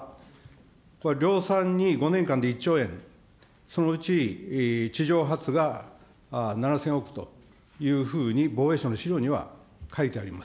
これは量産に５年間で１兆円、そのうち地上発が７０００億というふうに、防衛省の資料には書いてあります。